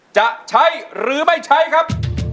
จะใช้หรือไม่ใช้ครับ